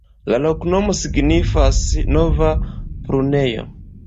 La loknomo signifas: nova-prunejo.